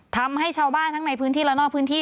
ทำให้ชาวบ้านทั้งในพื้นที่และนอกพื้นที่